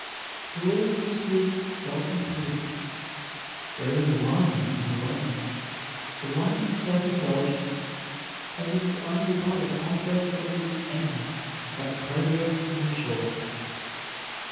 For all who seek self improvement "there is a lion in the way," the lion of self indulgence, and it is only by the conquest of this enemy that progress is assured.